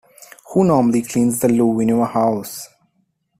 Who normally cleans the loo in your house?